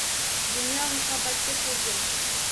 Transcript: Dunyo muhabbatga to’lgin.